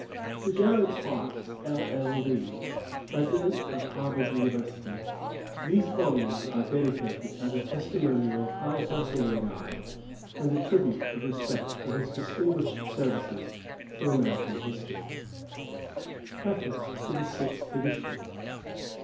VOL. I. TO JARED SPARKS, LL.D., PRESIDENT OF HARVARD UNIVERSITY, THESE VOLUMES ARE DEDICATED AS A TESTIMONIAL OF HIGH PERSONAL REGARD, AND A TRIBUTE OF RESPECT FOR HIS DISTINGUISHED SERVICES TO AMERICAN HISTORY. Preface TO THE SIXTH EDITION.